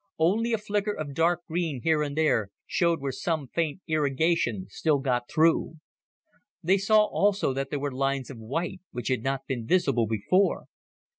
Only a flicker of dark green here and there showed where some faint irrigation still got through. They saw also that there were lines of white, which had not been visible before.